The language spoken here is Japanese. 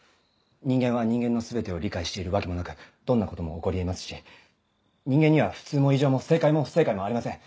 人間は人間の全てを理解しているわけもなくどんなことも起こり得ますし人間には普通も異常も正解も不正解もありません。